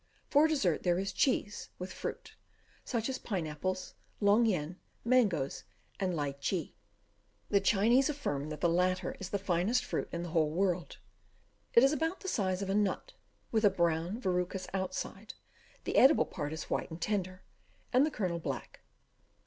For dessert there is cheese, with fruit; such as pine apples, long yen, mangoes, and lytchi. The Chinese affirm that the latter is the finest fruit in the whole world. It is about the size of a nut, with a brown verrucous outside; the edible part is white and tender, and the kernel black.